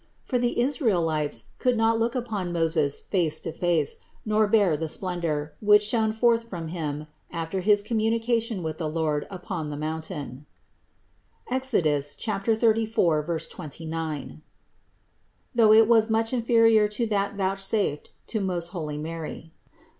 For the Israelites could not look upon Moses face to face, nor bear the splendor, which shone forth from him after his communication with the Lord upon the mountain (Exod. 34, 29), though it was much inferior to that vouchsafed to most holy Mary.